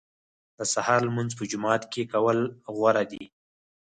د سهار لمونځ په جومات کې کول غوره دي.